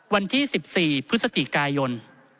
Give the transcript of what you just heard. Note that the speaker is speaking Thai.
วันที่๑๔พฤศจิกายน